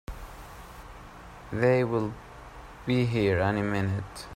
They'll be here any minute!